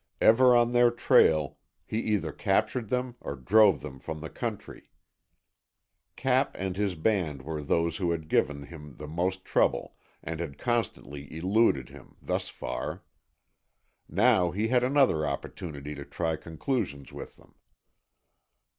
Ever on their trail, he either captured them or drove them from the country. Cap and his band were those who had given him the most trouble and had constantly eluded him, thus far. Now he had another opportunity to try conclusions with them.